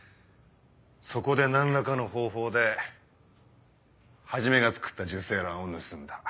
そこで何らかの方法で始がつくった受精卵を盗んだ。